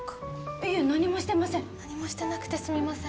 いえ何もしてません何もしてなくてすみません